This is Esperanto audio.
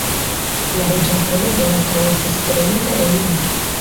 La ruĝa koloro ankaŭ estis prenita de ili.